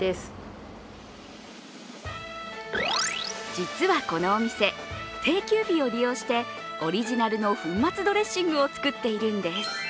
実はこのお店、定休日を利用してオリジナルの粉末ドレッシングを作っているんです。